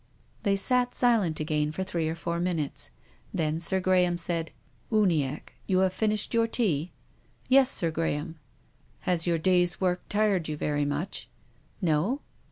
They sat silent again for three or four minutes. Then Sir Graham said :" Uniacke, you have finished your tea? "" Yes, Sir Graham." " Has your day's work tired you very much ?" "No."